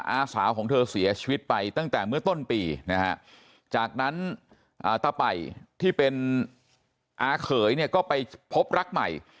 อาสาวของเธอเสียชีวิตไปตั้งแต่เมื่อต้นปีนะฮะจากนั้นตะป่ายที่เป็นอาเขยเนี่ยก็ไปพบรักใหม่